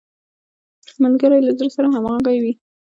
ملګری له زړه سره همږغی وي